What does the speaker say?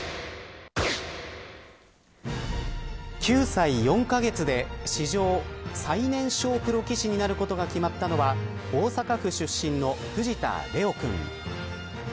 ９歳４カ月で史上最年少プロ棋士になることが決まったのは大阪府出身の藤田怜央くん。